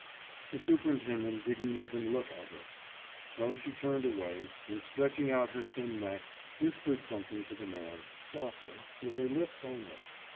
« The superintendent didn't even look at her. So she turned away, and, stretching out her thin neck, whispered something to the man, softly, with her lips only.